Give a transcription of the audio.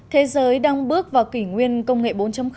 thế giới đang bước vào kỷ nguyên công nghệ bốn